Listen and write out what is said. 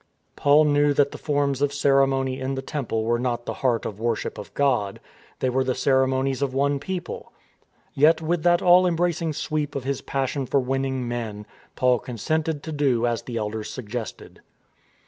Paul knew that the forms of ceremony in the Temple were not the heart of worship of God. They were the ceremonies of one people. Yet, with that all embracing sweep of his passion for winning men, Paul consented to do as the Elders suggested.